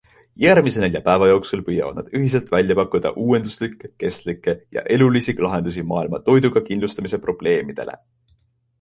Järgmise nelja päeva jooksul püüavad nad ühiselt välja pakkuda uuenduslikke, kestlikke ja elulisi lahendusi maailma toiduga kindlustamise probleemidele.